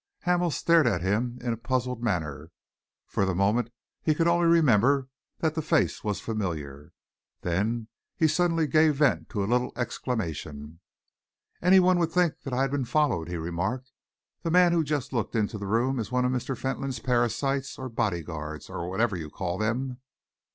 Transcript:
Hamel stared at him in a puzzled manner. For the moment he could only remember that the face was familiar. Then he suddenly gave vent to a little exclamation. "Any one would think that I had been followed," he remarked. "The man who has just looked into the room is one of Mr. Fentolin's parasites or bodyguards, or whatever you call them."